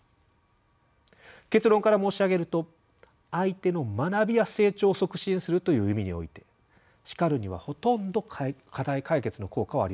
結論から申し上げると「相手の学びや成長を促進する」という意味において叱るにはほとんど課題解決の効果はありません。